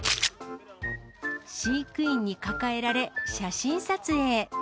飼育員に抱えられ、写真撮影。